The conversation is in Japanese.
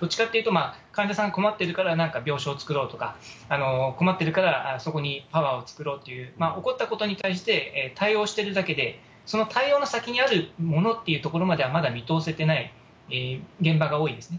どっちかというと、患者さん困っているから何か病床作ろうとか、困ってるから、そこにパワーを使おうっていう、起こったことに対して対応してるだけで、その対応の先にあるものっていうところまではまだ見通せてない現場が多いんですね。